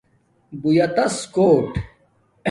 بُݸیتس کوٹ